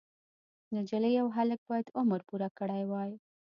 نجلۍ او هلک باید عمر پوره کړی وای.